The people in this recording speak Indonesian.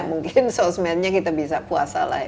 mungkin social media kita bisa puasa lah